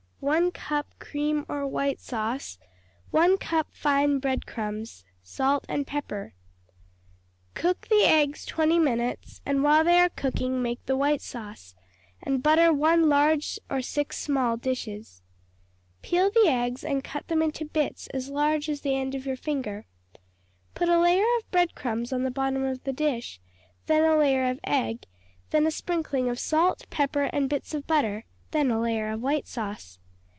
1 cup cream or white sauce. 1 cup fine bread crumbs. Salt and pepper. Cook the eggs twenty minutes, and while they are cooking make the white sauce, and butter one large or six small dishes. Peel the eggs and cut them into bits as large as the end of your finger. Put a layer of bread crumbs on the bottom of the dish, then a layer of egg, then a sprinkling of salt, pepper, and bits of butter, then a layer of white sauce.